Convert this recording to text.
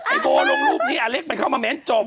ไอ้โบลงรูปนี้อาเล็กมันเข้ามาแม้นจม